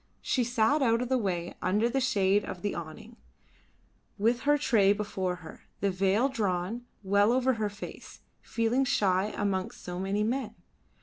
She sat out of the way under the shade of the awning, with her tray before her, the veil drawn well over her face, feeling shy amongst so many men.